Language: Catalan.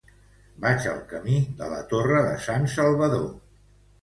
Vaig al camí de la Torre de Sansalvador.